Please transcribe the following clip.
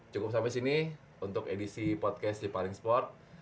cukup sampai sini untuk edisi podcast di paling sport